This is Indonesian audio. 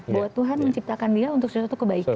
bahwa tuhan menciptakan dia untuk suatu kebaikan